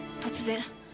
突然。